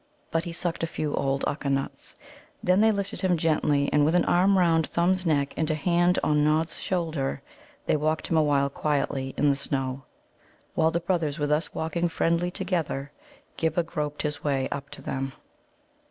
But he sucked a few old Ukka nuts. Then they lifted him gently, and with an arm round Thumb's neck and a hand on Nod's shoulder, they walked him awhile quietly in the snow. While the brothers were thus walking friendly together, Ghibba groped his way up to them.